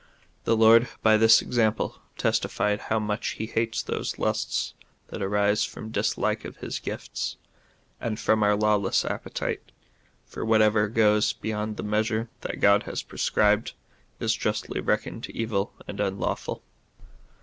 The Lord by this example testified how much he hates those lusts that arise from dislike of his gifts, and from our lawless appetite, for whatever goes be yond the measure that God has prescribed is justly reckoned evil and unlawful.